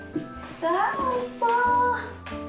わぁおいしそう！